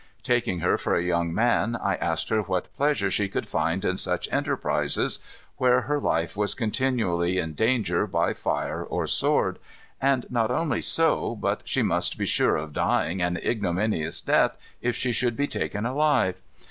Taking her for a young man, I asked her what pleasure she could find in such enterprises, where her life was continually in danger by fire or sword; and not only so, but she must be sure of dying an ignominious death if she should be taken alive?